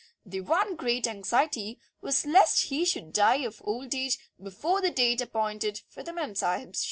The one great anxiety was lest he should die of old age before the date appointed for the memsahib's shoot.